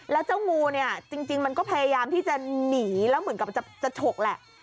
แล้วเจ้างูเนี่ยจริงมันก็พยายามที่จะหนีแล้วเหมือนกับจะฉกแหละ